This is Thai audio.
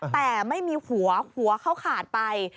แต่ไม่มีหัวหัวเขาขาดไป